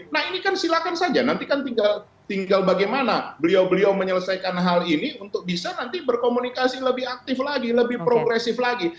nah ini kan silakan saja nanti kan tinggal bagaimana beliau beliau menyelesaikan hal ini untuk bisa nanti berkomunikasi lebih aktif lagi lebih progresif lagi